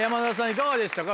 いかがでしたか？